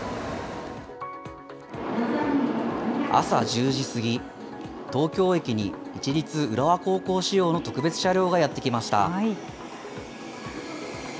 朝１０時過ぎ、東京駅に、市立浦和高校仕様の特別車両がやって来ました。